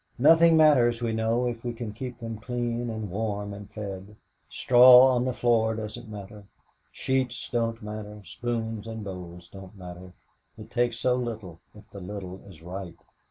Nothing matters, we know, if we can keep them clean and warm and fed. Straw on the floor doesn't matter sheets don't matter, spoons and bowls don't matter. It takes so little if the little is right.